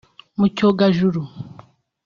Mu cyogajuru